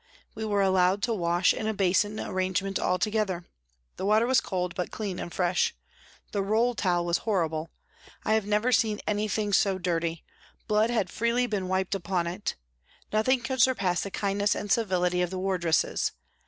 We were allowed to wash in a basin arrangement all together. The water was cold, but clean and fresh. The roll towel was horrible, I have never seen anything so dirty blood had freely been wiped upon it. Nothing could surpass the kindness and civility of the wardresses.